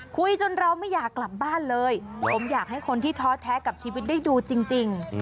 คุยจนเราไม่อยากกลับบ้านเลยผมอยากให้คนที่ท้อแท้กับชีวิตได้ดูจริง